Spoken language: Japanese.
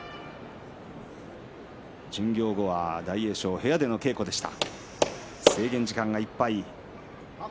巡業後は、大栄翔部屋での稽古でした。